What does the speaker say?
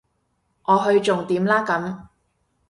我去重點啦咁